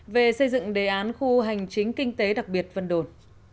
về xây dựng đề án khu hành chính kinh tế đặc biệt vân đồn